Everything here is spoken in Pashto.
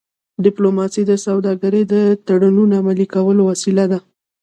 ډيپلوماسي د سوداګری د تړونونو عملي کولو وسیله ده.